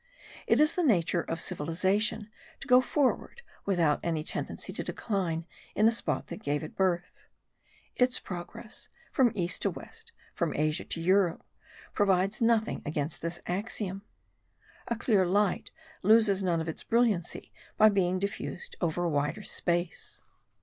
It is the nature of civilization to go forward without any tendency to decline in the spot that gave it birth. Its progress from east to west, from Asia to Europe, proves nothing against this axiom. A clear light loses none of its brilliancy by being diffused over a wider space.